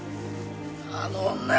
あの女！